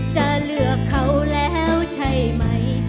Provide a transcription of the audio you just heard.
จะเลือกเขาแล้วใช่ไหม